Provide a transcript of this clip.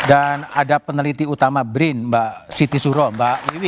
dan ada peneliti utama brin mbak siti suhrobe iwi